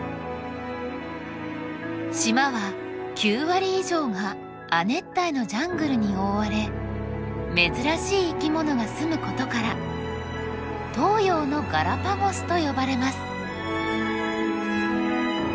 島は９割以上が亜熱帯のジャングルに覆われ珍しい生き物が住むことから東洋のガラパゴスと呼ばれます。